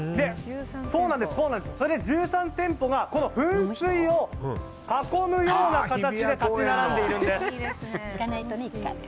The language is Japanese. １３店舗が噴水を囲むような形で立ち並んでいるんです。